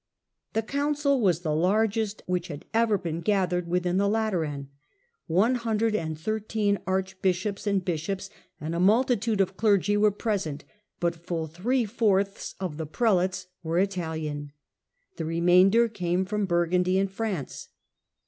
The council was the largest which had ever been gathered within the Lateran. One hundred and thir teen archbishops and bishops and a multitude of clergy were present, but fuD three fourths of the prelates Vere Italian ; the remainder came ftx)m Burgundy and France.